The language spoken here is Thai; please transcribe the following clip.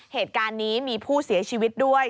เหตุการณ์นี้มีผู้เสียชีวิตด้วย